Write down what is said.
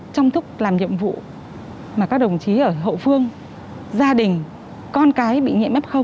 trong thức làm nhiệm vụ mà các đồng chí ở hậu phương gia đình con cái bị nhiễm f